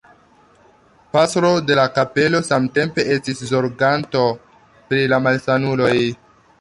Pastro de la kapelo samtempe estis zorganto pri la malsanuloj.